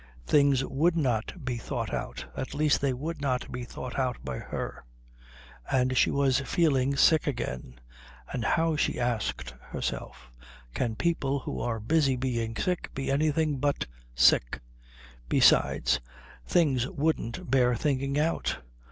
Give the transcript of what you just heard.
Things would not be thought out at least they would not be thought out by her; and she was feeling sick again; and how, she asked herself, can people who are busy being sick be anything but sick? Besides, things wouldn't bear thinking out.